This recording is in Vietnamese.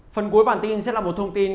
phần cuối bản tin sẽ là một thông tin